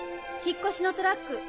引っ越しのトラック